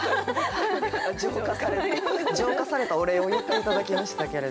浄化されたお礼を言って頂きましたけれど。